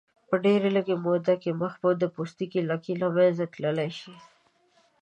په ډېرې لږې موده کې د مخ د پوستکي لکې له منځه تللی شي.